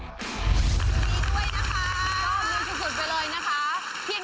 ดีด้วยนะคะ